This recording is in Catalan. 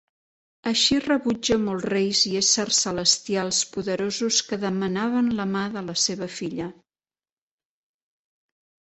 Així rebutja molts reis i éssers celestials poderosos que demanaven la mà de la seva filla.